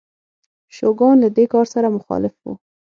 شوګان له دې کار سره مخالف و.